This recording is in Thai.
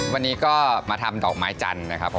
วันนี้ก็มาทำดอกไม้จันทร์นะครับผม